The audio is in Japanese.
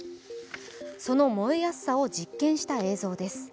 その燃えやすさを実験した映像です。